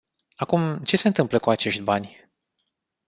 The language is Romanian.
Acum, ce se întâmplă cu acești bani?